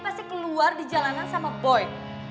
pasti keluar di jalanan sama boy